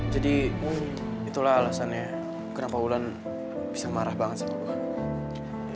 jadi itulah alasannya kenapa ulan bisa marah banget sama gue